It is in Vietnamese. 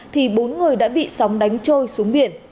thì bốn người đã bị sóng đánh trôi xuống biển